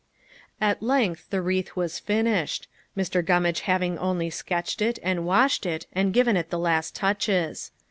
At length the wreath was finished Mr. Gummage having only sketched it, and washed it, and given it the last touches.